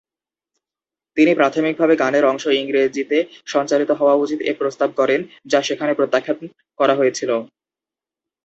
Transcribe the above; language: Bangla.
তিনি প্রাথমিকভাবে গানের অংশ ইংরেজিতে সঞ্চালিত করা উচিত এ প্রস্তাব করেন যা সেখানে প্রত্যাখ্যান করা হয়েছিল।